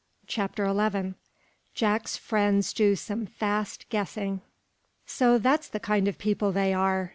CHAPTER XI JACK'S FRIENDS DO SOME FAST GUESSING "So that's the kind of people they are?"